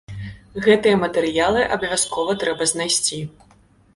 Гэтыя матэрыялы абавязкова трэба знайсці.